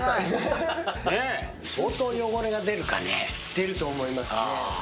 出ると思いますね。